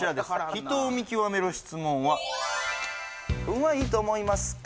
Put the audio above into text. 人を見極める質問は運はいいと思いますか？